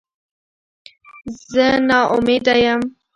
زه نا امیده یم